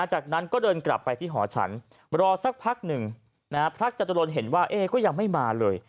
จากนั้นก็เดินกลับไปที่หอฉันรอสักพักหนึ่งพระจตุรนเห็นว่าเอ๊ก็ยังไม่มาเลย